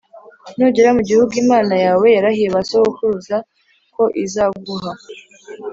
Nugera mu gihugu Imana yawe yarahiye ba sokuruza ko izaguha,